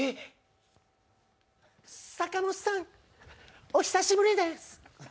さかもとさん、お久しぶりです。